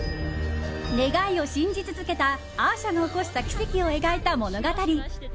願いを信じ続けたアーシャが起こした奇跡を描いた物語。